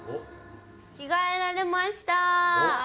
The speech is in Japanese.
着替えられました。